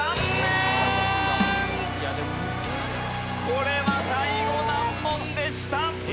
これは最後難問でした。